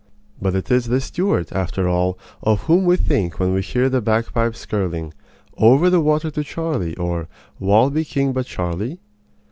But it is this Stuart, after all, of whom we think when we hear the bagpipes skirling "Over the Water to Charlie" or "Wha'll be King but Charlie?"